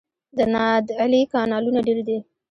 د نادعلي کانالونه ډیر دي